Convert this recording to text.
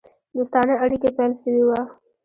دوستانه اړېکي پیل سوي وه.